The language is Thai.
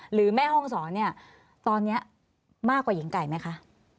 แม่ห้องศรเนี่ยตอนนี้มากกว่าหญิงไก่ไหมคะ